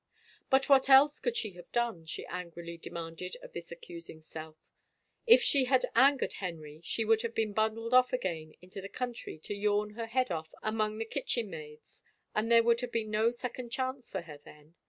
But what else could she have done, she angrily de manded of this accusing self ? If she had angered Henry she would have been bundled off again into the country to yawn her head off among the kitchen maids, and there would have been no second chance for her then.